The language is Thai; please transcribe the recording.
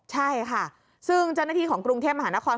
ใช่ค่ะซึ่งเจ้าหน้าที่ของกรุงเทพมหานคร